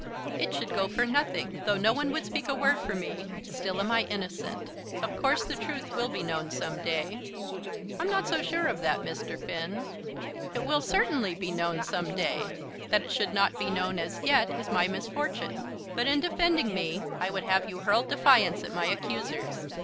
"It should go for nothing. Though no one would speak a word for me, still am I innocent. Of course the truth will be known some day." "I'm not so sure of that, Mr. Finn." "It will certainly be known some day. That it should not be known as yet is my misfortune. But in defending me I would have you hurl defiance at my accusers.